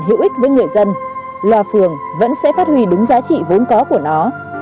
hữu ích với người dân loa phường vẫn sẽ phát huy đúng giá trị vốn có của nó